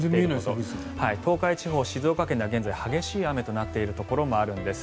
東海地方、静岡県では現在、激しい雨となっているところがあるんです。